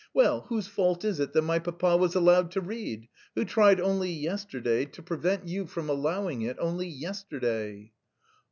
Well, whose fault is it that my papa was allowed to read? Who tried only yesterday to prevent you from allowing it, only yesterday?"